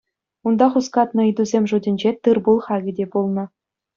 Унта хускатнӑ ыйтусем шутӗнче тыр-пул хакӗ те пулнӑ.